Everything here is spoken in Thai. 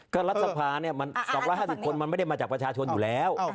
ก็รัฐสภา๒๕๐คนมันไม่ได้มาจากประชาชนอยู่แล้ว